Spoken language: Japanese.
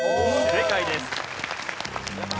正解です。